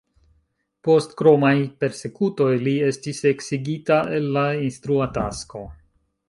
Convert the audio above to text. Post kromaj persekutoj, li estis eksigita el la instrua tasko.